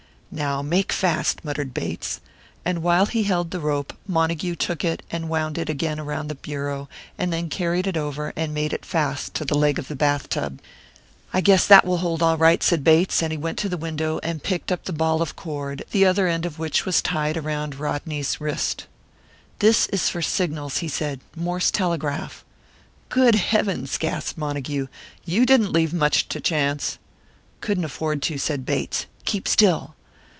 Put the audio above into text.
"Now, make fast," muttered Bates. And while he held the rope, Montague took it and wound it again around the bureau, and then carried it over and made it fast to the leg of the bath tub. "I guess that will hold all right," said Bates; and he went to the window and picked up the ball of cord, the other end of which was tied around Rodney's wrist. "This is for signals," he said. "Morse telegraph." "Good heavens!" gasped Montague. "You didn't leave much to chance." "Couldn't afford to," said Bates. "Keep still!"